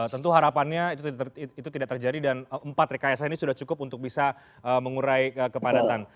tentu harapannya itu tidak terjadi dan empat rekayasa ini sudah cukup untuk bisa mengurai kepadatan